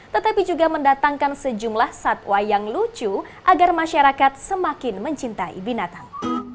tetapi juga mendatangkan sejumlah satwa yang lucu agar masyarakat semakin mencintai binatang